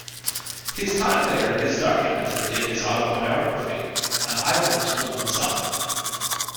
His time there is documented in his autobiography, "An Island To Oneself".